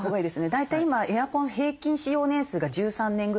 大体今エアコン平均使用年数が１３年ぐらいなんですね。